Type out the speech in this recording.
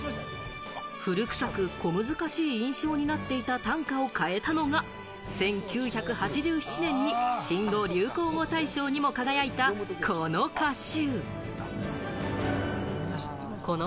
古臭く小難しい印象になっていた短歌を変えたのが１９８７年に新語・流行語大賞にも輝いたこの歌集。